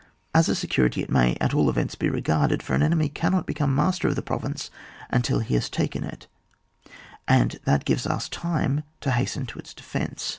As a security it may at all events be regarded, for an enemy cannot become master of the province until he has taken it, and that gives us time to hasten to its defence.